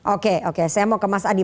oke oke saya mau ke mas adi